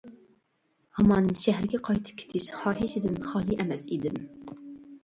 ھامان شەھەرگە قايتىپ كېتىش خاھىشىدىن خالىي ئەمەس ئىدىم.